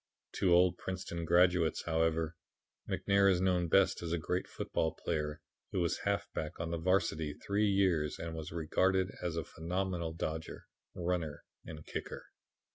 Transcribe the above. "To old Princeton graduates, however, McNair is known best as a great football player who was halfback on the varsity three years and was regarded as a phenomenal dodger, runner and kicker.